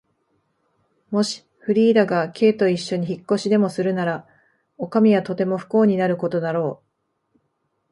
もしフリーダが Ｋ といっしょに引っ越しでもするなら、おかみはとても不幸になることだろう。